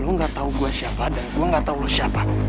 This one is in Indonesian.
lo gak tahu gue siapa dan gue gak tahu lo siapa